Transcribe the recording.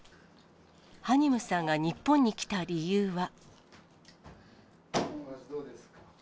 ハニムさんが日本に来た理由は。